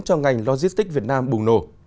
cho ngành logistic việt nam bùng nổ